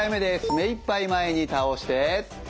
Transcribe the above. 目いっぱい前に倒して。